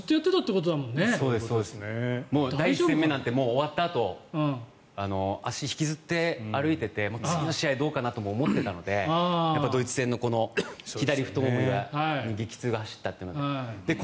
第１戦目なんて終わったあと足を引きずって歩いていて次の試合どうかなとも思っていたのでドイツ戦の左太ももに激痛が走ったという。